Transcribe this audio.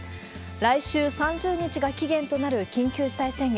来週３０日が期限となる緊急事態宣言。